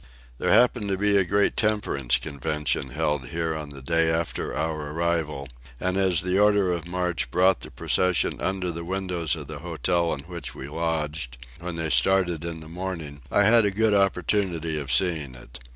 There happened to be a great Temperance Convention held here on the day after our arrival; and as the order of march brought the procession under the windows of the hotel in which we lodged, when they started in the morning, I had a good opportunity of seeing it.